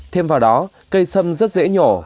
thêm vào đó cây sâm rất dễ nhổ